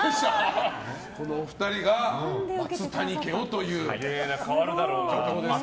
このお二人が松谷家をということですけど。